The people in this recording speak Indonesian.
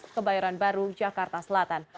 lima belas kebayoran baru jakarta selatan